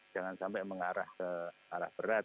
jangan sampai mengarah ke arah berat